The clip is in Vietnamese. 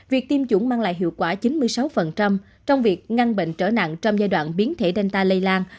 việc tiêm chủng mang lại hiệu quả chín mươi sáu trong việc ngăn bệnh trở nặng trong giai đoạn biến thể danta lây lan